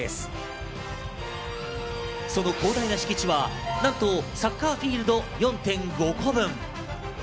その広大な敷地はなんとサッカーフィールド４．５個分。